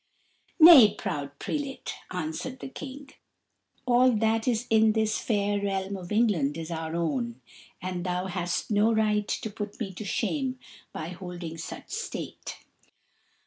"Nay, proud prelate," answered the King, "all that is in this fair realm of England is our own, and thou hast no right to put me to shame by holding such state.